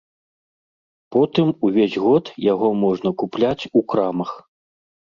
Потым увесь год яго можна купляць у крамах.